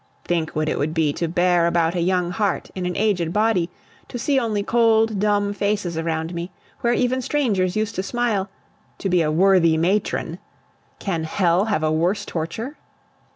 Think what it would be to bear about a young heart in an aged body, to see only cold, dumb faces around me, where even strangers used to smile; to be a worthy matron! Can Hell have a worse torture?